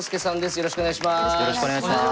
よろしくお願いします。